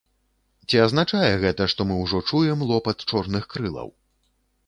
Ці азначае гэта, што мы ўжо чуем лопат чорных крылаў?